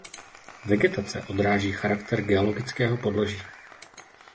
Vegetace odráží charakter geologického podloží.